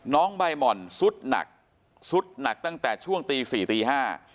น้องใบหม่อนสุดหนักสุดหนักตั้งแต่ช่วงตีสี่ตีห้า